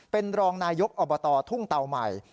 เป็นรองนายกอบตทุ่งเตาใหม่